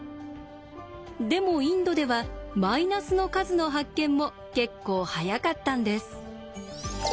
でもインドではマイナスの数の発見も結構早かったんです。